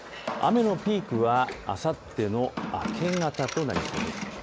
雨のピークはあさっての明け方となりそうです。